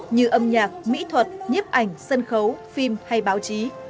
như âm nhạc mỹ thuật nhiếp ảnh sân khấu phim hay báo chí